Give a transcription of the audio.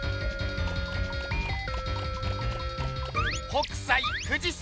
北斎富士山！